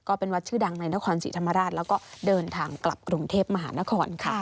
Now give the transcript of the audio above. วัดชื่อดังในนครศรีธรรมราชแล้วก็เดินทางกลับกรุงเทพมหานครค่ะ